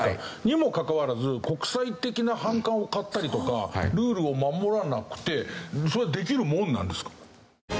にもかかわらず国際的な反感を買ったりとかルールを守らなくてそれはできるもんなんですか？